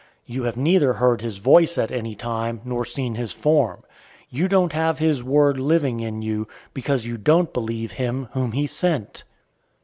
You have neither heard his voice at any time, nor seen his form. 005:038 You don't have his word living in you; because you don't believe him whom he sent.